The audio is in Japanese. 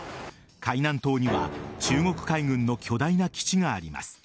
海南島には中国海軍の巨大な基地があります。